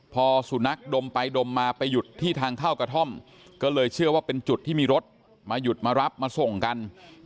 พอสุนัขดมไปดมมาไปหยุดที่ทางเข้ากระท่อมก็เลยเชื่อว่าเป็นจุดที่มีรถมาหยุดมารับมาส่งกัน